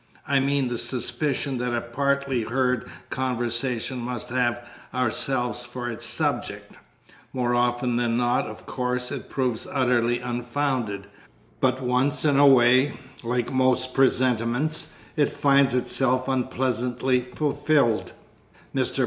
I mean the suspicion that a partly heard conversation must have ourselves for its subject. More often than not, of course, it proves utterly unfounded, but once in a way, like most presentiments, it finds itself unpleasantly fulfilled. Mr.